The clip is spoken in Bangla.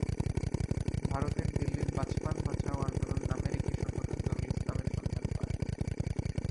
ভারতের দিল্লির বাচপান বাঁচাও আন্দোলন নামের একটি সংগঠন নুরুল ইসলামের সন্ধান পায়।